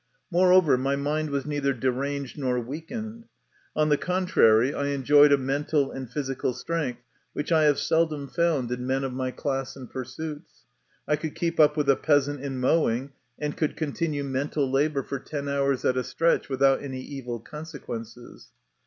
Moreover, my mind was neither deranged nor weakened ; on the contrary, I enjoyed a mental and physical strength which I have seldom found in men of my class and pursuits ; I could keep up with a peasant in mowing, and could continue mental MY CONFESSION. 31 labour for ten hours at a stretch, without any evil consequences.